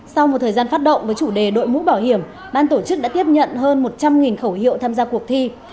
sau một thời gian phát động với chủ đề đội mũ bảo hiểm ban tổ chức đã tiếp nhận hơn một trăm linh khẩu hiệu tham gia cuộc thi